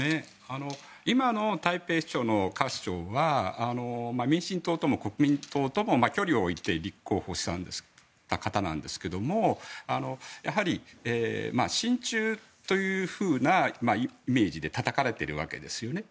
今の台北市長のカ市長が民進党とも国民党とも距離を置いて立候補した方なんですが親中というふうなイメージでたたかれているわけですね。